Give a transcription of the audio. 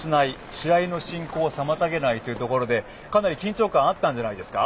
試合の進行を妨げないというところでかなり緊張感あったんじゃないですか？